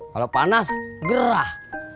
kalo panas gerah